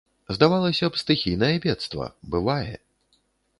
Здавалася б, стыхійнае бедства, бывае.